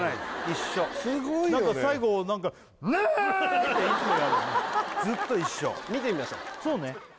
一緒すごいよね何か最後「うーん」っていつもやるずっと一緒見てみましょうそうね